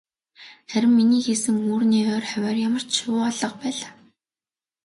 Харин миний хийсэн үүрний ойр хавиар ямарч шувуу алга байлаа.